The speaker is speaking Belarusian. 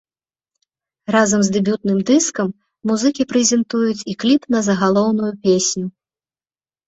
Разам з дэбютным дыскам музыкі прэзентуюць і кліп на загалоўную песню.